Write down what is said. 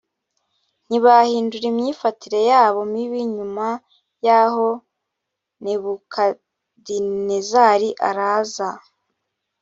ntibahindura imyifatire yabo mibi nyuma y aho nebukadinezari araza